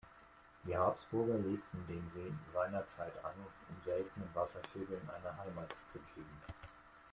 Die Habsburger legten den See seinerzeit an, um seltenen Wasservögeln eine Heimat zu geben.